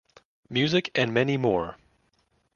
Music and many more.